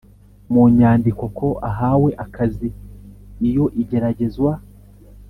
mu nyandiko ko ahawe akazi Iyo igeragezwa